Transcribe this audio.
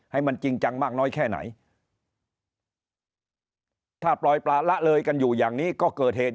ให้มันจริงจังมากน้อยแค่ไหนถ้าปล่อยประละเลยกันอยู่อย่างนี้ก็เกิดเหตุ